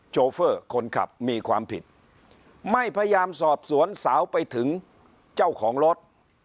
โฟคนขับมีความผิดไม่พยายามสอบสวนสาวไปถึงเจ้าของรถ